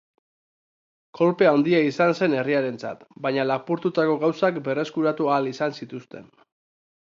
Kolpe handia izan zen herriarentzat, baina lapurtutako gauzak berreskuratu ahal izan zituzten.